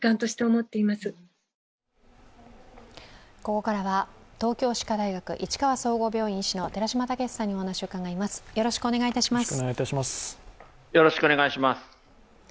ここからは東京歯科大学市川総合病院、医師の寺嶋毅さんにお話を伺います。